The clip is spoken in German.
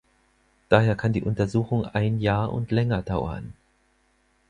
Daher kann die Untersuchung ein Jahr und länger dauern.